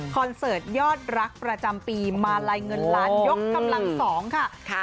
เสิร์ตยอดรักประจำปีมาลัยเงินล้านยกกำลัง๒ค่ะ